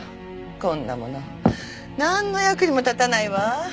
こんなものなんの役にも立たないわ。